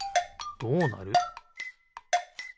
どうなる？